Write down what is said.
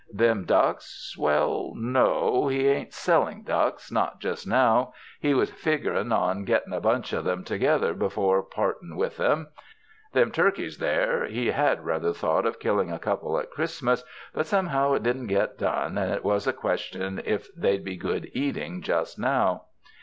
Them ducks f Well no o, he wasn't selling ducks, 187 UNDEK THE SKY IN CALIFORNIA not just now; he was tigurin' on getting a bunch of them together before parting with them. Them turkeys, there, he had rather thought of killing a couple at Christmas, but somehow it didn't get done, and it was a question if they'd be good eating just now.